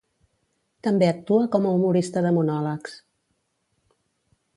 També actua com a humorista de monòlegs.